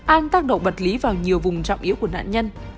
an tác độ vật lý vào nhiều vùng trọng yếu của nạn nhân